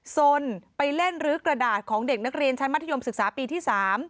สนไปเล่นลื้อกระดาษของเด็กนักเรียนชั้นมัธยมศึกษาปีที่๓